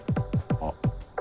あっ。